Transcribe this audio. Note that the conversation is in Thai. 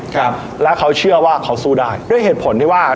ครับแล้วเขาเชื่อว่าเขาสู้ได้ด้วยเหตุผลที่ว่า